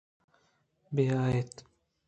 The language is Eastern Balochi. بیااِت